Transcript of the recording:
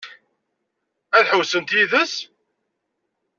Ad ḥewwsent yid-s?